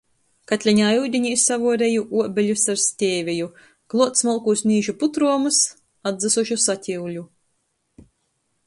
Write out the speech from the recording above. Katleņā iudinī savuoreju uobeļus ar stēveju, kluot smolkūs mīžu putruomus, atdzysušu sakiuļu.